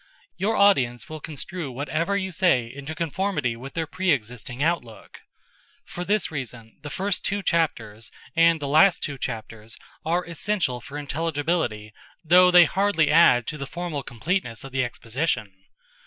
Your audience will construe whatever you say into conformity with their pre existing outlook. For this reason the first two chapters and the last two chapters are essential for intelligibility though they hardly add to the formal completeness of the exposition.